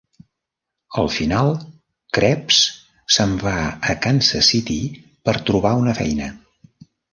Al final, Krebs s'en va a Kansas City per trobar una feina.